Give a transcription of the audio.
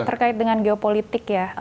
terkait dengan geopolitik ya